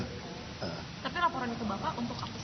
tapi laporan itu bapak untuk apa sih pak